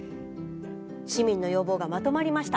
市民の要望がまとまりました。